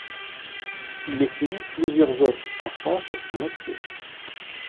Il écrivit plusieurs autres chansons sur son métier.